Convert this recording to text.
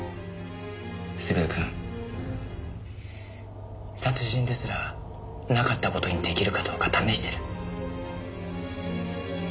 優くん殺人ですらなかった事に出来るかどうか試してる。